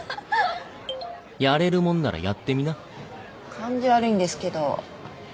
感じ悪いんですけど。